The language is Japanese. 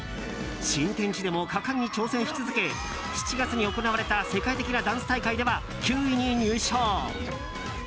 新天地でも果敢に挑戦し続け７月に行われた世界的なダンス大会では９位に入賞。